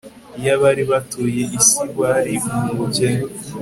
y' abari batuye isi bari mu bukene